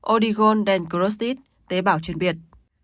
odigon dan crostis tế bào chuyên biệt